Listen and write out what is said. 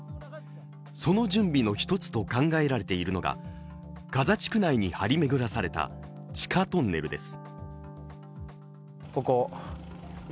その準備の一つと考えられているのがガザ地区内に張り巡らされた地下トンネルです